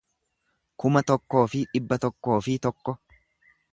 kuma tokkoo fi dhibba tokkoo fi tokko